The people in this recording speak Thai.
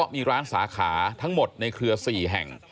มีปัญหาทั้งหมดในเครือ๔แห่ง